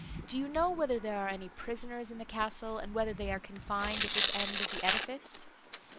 "Do you know whether there are any prisoners in the castle, and whether they are confined at this end of the edifice?"